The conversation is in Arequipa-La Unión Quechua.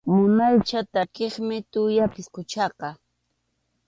Munaycha takiqmi tuya pisquchaqa.